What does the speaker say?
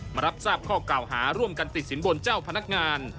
มารับทราบข้อเก่าหาร่วมกันติดสินบนเจ้าพนักงาน